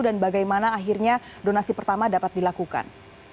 dan bagaimana akhirnya donasi pertama dapat dilakukan